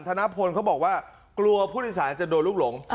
ธนพลเขาบอกว่ากลัวผู้โดยสารจะโดนลูกหลง